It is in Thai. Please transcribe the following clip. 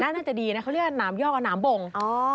น่าน่าจะดีนะเขาเรียกว่าน้ำยอกกว่าน้ำบ่ง